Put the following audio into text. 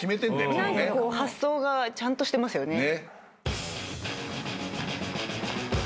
何かこう発想がちゃんとしてますよね。